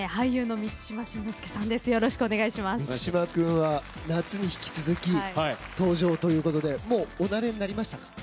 満島君は夏に引き続き登場ということでお慣れになりましたか？